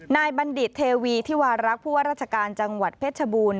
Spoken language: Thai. นายบันดิตเทวีที่วารักษ์ภูตรราชการจังหวัดเพชรชบูล